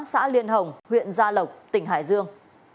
xã liên hồng huyện gia lộc tỉnh hải dương